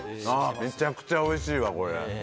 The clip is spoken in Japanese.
めちゃくちゃおいしいわこれ。